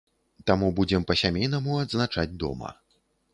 Таму будзем па-сямейнаму адзначаць дома.